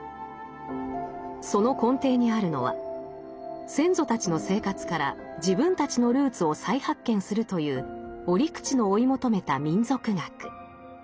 その根底にあるのは先祖たちの生活から自分たちのルーツを再発見するという折口の追い求めた民俗学。